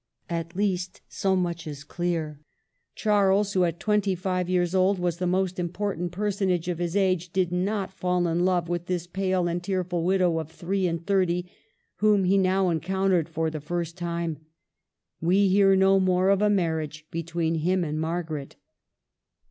At least so much is clear: Charles, who at twenty five years old was the most important personage of his age, did not fall in love with this pale and tearful widow of three and thirty, whom he now encountered for the first time. We hear no more of a marriage between him and Margaret.